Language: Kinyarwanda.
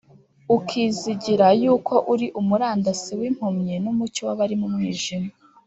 ukizigira yuko uri umurandasi w’impumyi n’umucyo w’abari mu mwijima,